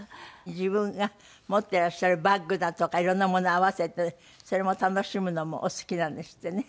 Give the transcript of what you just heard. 自分が持っていらっしゃるバッグだとか色んなものを合わせてそれも楽しむのもお好きなんですってね。